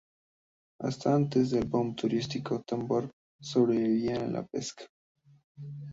Hasta antes del boom turístico, Tambor sobrevivía de la pesca.